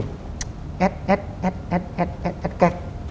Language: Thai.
แอ๊ดแอ๊ดแอ๊ดแอ๊ดแอ๊ดแอ๊ดแอ๊ดแอ๊ดแอ๊ดแอ๊ดแอ๊ด